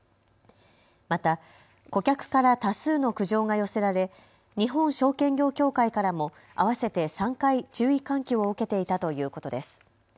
また顧客から多数の苦情が寄せられ日本証券業協会からも合わせて３回、注意喚起を受けていたということです。